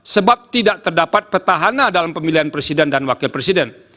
sebab tidak terdapat petahana dalam pemilihan presiden dan wakil presiden